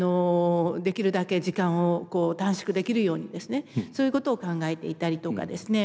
できるだけ時間を短縮できるようにですねそういうことを考えていたりとかですね